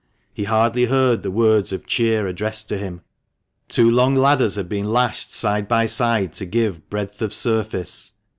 He hardly heard the words of cheer addressed to him." Two long ladders had been lashed side by side to give breadth of surface.